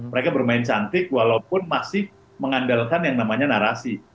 mereka bermain cantik walaupun masih mengandalkan yang namanya narasi